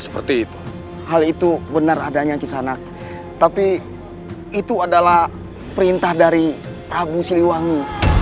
seperti itu hal itu benar adanya kisah anak tapi itu adalah perintah dari abu siliwangi